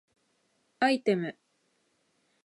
アイテム